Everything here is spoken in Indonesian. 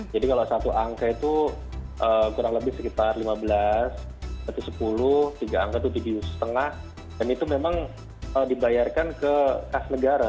jadi kalau satu angka itu kurang lebih sekitar lima belas atau sepuluh tiga angka itu tujuh lima dan itu memang dibayarkan ke kas negara